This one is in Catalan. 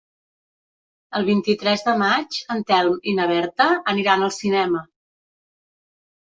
El vint-i-tres de maig en Telm i na Berta aniran al cinema.